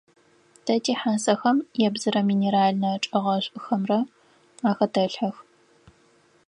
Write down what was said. Тэ тихьасэхэм ебзырэ минеральнэ чӏыгъэшӏухэмрэ ахэтэлъхьэх.